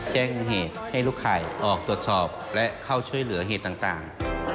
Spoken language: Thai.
แจ้งเหตุให้ลูกข่ายออกตรวจสอบและเข้าช่วยเหลือเหตุต่าง